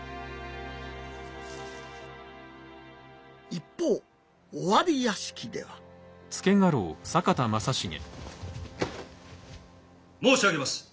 一方尾張屋敷では申し上げます。